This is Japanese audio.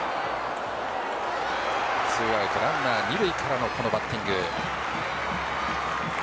ツーアウトランナー、二塁からのこのバッティング。